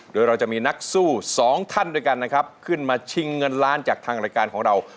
โดยเราจะมีนักสู้สองท่านด้วยกันนะครับขึ้นมาชิงเงินล้านจากทางรายการของเรา